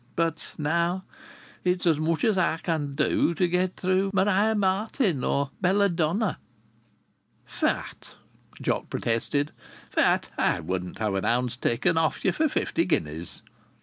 But now it's as much as I can do to get through with Maria Martin or Belladonna." "Fat!" Jock protested. "Fat! I wouldn't have an ounce taken off ye for fifty guineas."